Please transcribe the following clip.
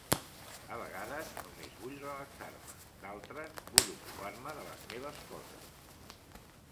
A vegades només vull relaxar-me, d'altres vull ocupar-me de les meves coses.